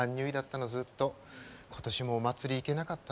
今年もお祭り行けなかったわ。